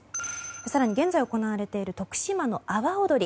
更に現在、行われている徳島の阿波おどり。